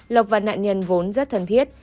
lộc và nạn nhân vốn rất thân thiết